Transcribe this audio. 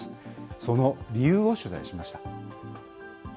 その理由を取材しました。